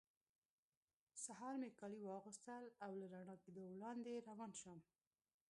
سهار مې کالي واغوستل او له رڼا کېدو وړاندې روان شوم.